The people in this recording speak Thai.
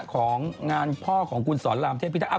ของงานพ่อของคุณสอนรามเทพิทักษ